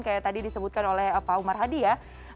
kayak tadi disebutkan oleh pak umar hadi ya